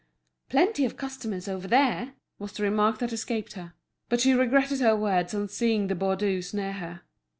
"Plenty of customers over there!" was the remark that escaped her. But she regretted her words on seeing the Baudus near her.